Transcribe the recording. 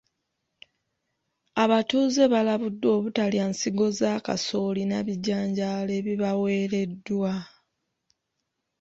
Abatuuze balabuddwa obutalya nsigo za kasooli na bijanjaalo ebibaweereddwa.